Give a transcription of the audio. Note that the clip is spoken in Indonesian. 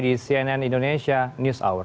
di cnn indonesia news hour